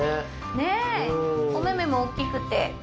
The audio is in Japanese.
ねっお目目も大っきくて。